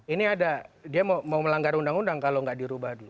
ini ada dia mau melanggar undang undang kalau nggak dirubah dulu